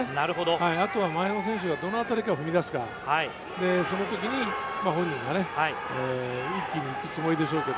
あとは前の選手がどのあたりで踏み出すか、その時に本人が一気に行くつもりでしょうけど。